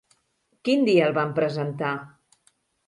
Quin dia el van presentar?